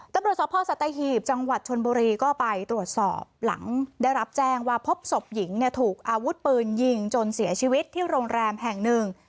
ตำรวจสภสัตหีบจังหวัดชนบุรีก็ไปตรวจสอบหลังได้รับแจ้งว่าพบศพหญิงเนี่ยถูกอาวุธปืนยิงจนเสียชีวิตที่โรงแรมแห่งหนึ่ง